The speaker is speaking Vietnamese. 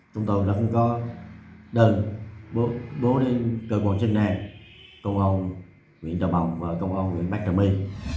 chúng tôi đã không có đơn bố lên cơ quan chân nang công ông huyện trà bồng và công ông huyện bắc trà my